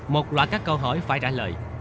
một loại các câu hỏi phải trả lời